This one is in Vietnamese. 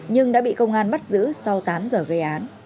nhưng đã bị công an bắt giữ sau tám giờ gây án